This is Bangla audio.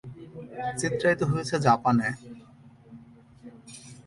চিত্রায়িত হয়েছে জাপানে।